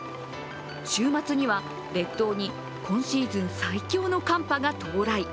週末には列島に今シーズン最強の寒波が到来。